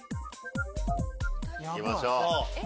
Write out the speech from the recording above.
行きましょう。